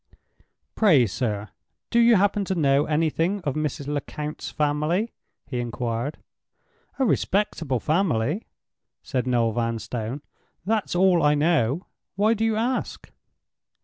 "Pray, sir, do you happen to know anything of Mrs. Lecount's family?" he inquired. "A respectable family," said Noel Vanstone—"that's all I know. Why do you ask?"